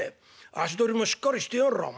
足取りもしっかりしてやがらうん。